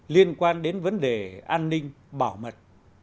liên quan đến vấn đề an ninh bảo mật